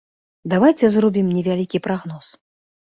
Давайце зробім невялікі прагноз.